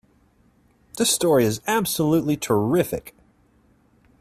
This story is absolutely terrific!